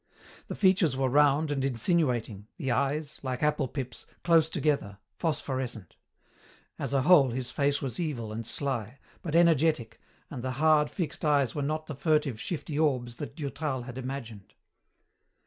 The features were round and insinuating, the eyes, like apple pips, close together, phosphorescent. As a whole his face was evil and sly, but energetic, and the hard, fixed eyes were not the furtive, shifty orbs that Durtal had imagined.